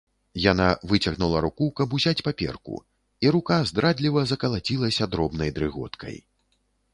Яна выцягнула руку, каб узяць паперку, і рука здрадліва закалацілася дробнай дрыготкай.